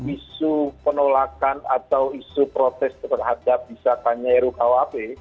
isu penolakan atau isu protes terhadap disatanya rkuhp